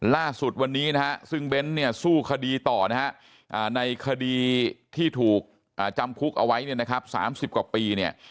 ล่าสุดวันนี้ซึ่งเบ้นสู้คดีต่อในคดีที่ถูกจำคุกเอาไว้๓๐กว่าปี